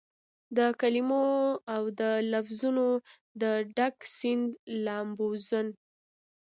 دکلمو اودلفظونو دډک سیند لامبوزن